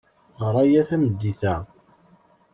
Ɣer aya tameddit-a.